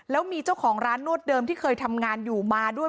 แล้วมีเจ้าของร้านนวดเดิมที่เคยทำงานอยู่มาด้วย